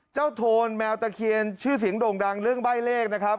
โทนแมวตะเคียนชื่อเสียงโด่งดังเรื่องใบ้เลขนะครับ